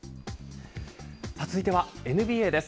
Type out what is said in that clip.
続いては、ＮＢＡです。